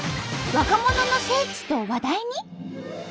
若者の聖地と話題に？